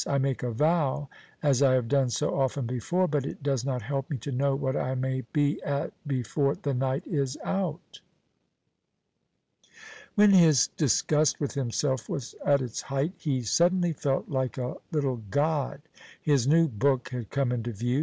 I make a vow, as I have done so often before, but it does not help me to know what I may be at before the night is out." When his disgust with himself was at its height he suddenly felt like a little god. His new book had come into view.